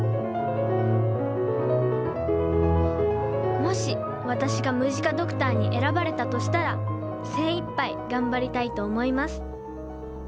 もし私がムジカドクターに選ばれたとしたら精いっぱい頑張りたいと思います